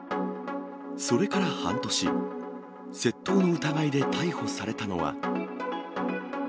それから半年、窃盗の疑いで逮捕されたのは。